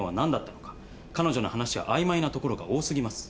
彼女の話は曖昧なところが多すぎます。